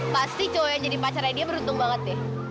pasti cowok yang jadi pacarnya dia beruntung banget deh